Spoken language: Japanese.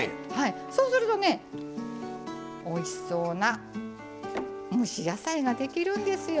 そうするとねおいしそうな蒸し野菜ができるんですよ。